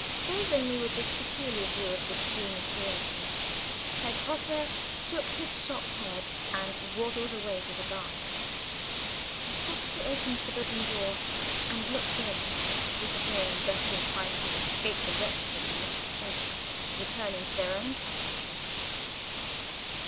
Favoring me with this peculiar view of the scheme of creation, Herr Grosse shook his shock head, and waddled away to the garden. I softly opened the bed room door, and looked in disappearing just in time to escape the rector and Mrs. Finch returning to their own side of the house.